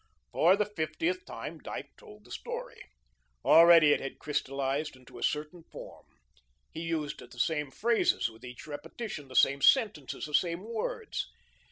For the fiftieth time Dyke told the story. Already it had crystallised into a certain form. He used the same phrases with each repetition, the same sentences, the same words.